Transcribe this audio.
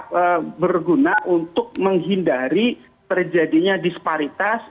dan juga berguna untuk menghindari terjadinya disparitas